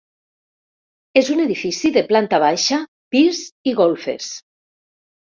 És un edifici de planta baixa, pis i golfes.